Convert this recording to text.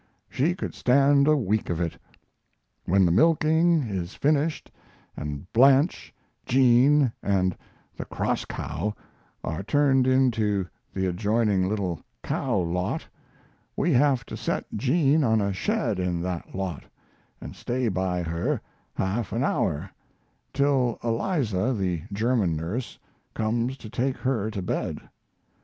She could stand a week of it. When the milking is finished, and "Blanche," "Jean," and "the cross cow" are turned into the adjoining little cow lot, we have to set Jean on a shed in that lot, and stay by her half an hour, till Eliza, the German nurse, comes to take her to bed.